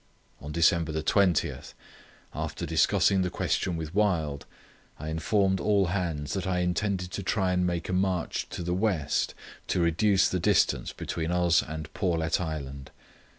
On December 20, after discussing the question with Wild, I informed all hands that I intended to try and make a march to the west to reduce the distance between us and Paulet Island.